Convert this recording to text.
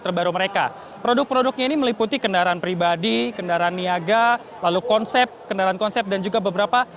terbaru mereka produk produknya ini meliputi kendaraan pribadi kendaraan niaga lalu konsep kendaraan konsep dan juga beberapa